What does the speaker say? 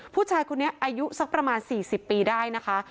ผู้ชายคนนี้อายุสักประมาณ๔๐ปีได้นะคะ